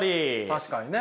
確かにね。